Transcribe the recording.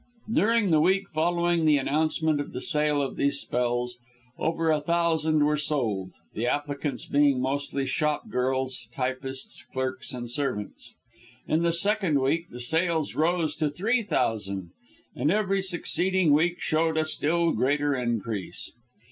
During the week following the announcement of the sale of these spells, over a thousand were sold, the applicants being mostly shop girls, typists, clerks and servants; in the second week the sales rose to three thousand, and every succeeding week showed a still greater increase.